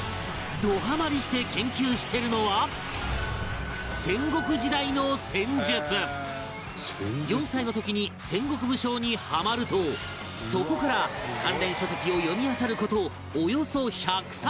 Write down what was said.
ドハマりして研究してるのは４歳の時に戦国武将にハマるとそこから関連書籍を読みあさる事およそ１００冊